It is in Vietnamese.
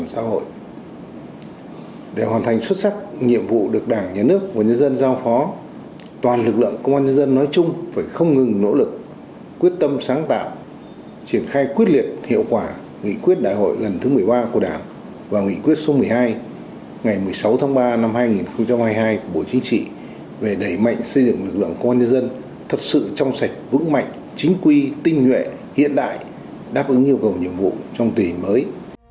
các lực lượng công an nhân dân nói chung phải không ngừng nỗ lực quyết tâm sáng tạo triển khai quyết liệt hiệu quả nghị quyết đại hội lần thứ một mươi ba của đảng và nghị quyết số một mươi hai ngày một mươi sáu tháng ba năm hai nghìn hai mươi hai của bộ chính trị về đẩy mạnh xây dựng lực lượng công an nhân dân thật sự trong sạch vững mạnh chính quy tinh nhuệ hiện đại đáp ứng yêu cầu nhiệm vụ trong tình hình mới